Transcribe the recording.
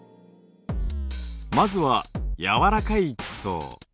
まずは柔らかい地層。